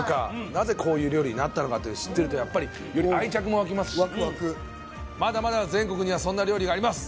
なぜこういう料理になったのかと知ってるとやっぱりより愛着も湧きますしうん湧く湧くまだまだ全国にはそんな料理があります